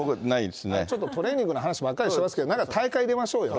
ちょっとトレーニングの話ばっかりあったりしますけど、なんか大会出ましょうよ。